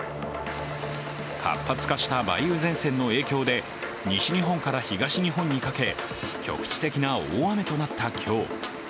活発化した梅雨前線の影響で西日本から東日本にかけ、局地的な大雨となった今日。